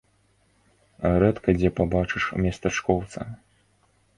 Рэдка дзе пабачыш местачкоўца.